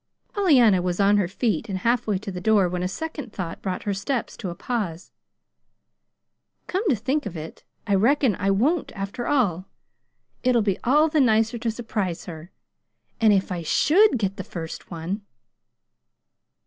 Pollyanna was on her feet and half way to the door when a second thought brought her steps to a pause. "Come to think of it, I reckon I won't, after all. It'll be all the nicer to surprise her; and if I SHOULD get the first one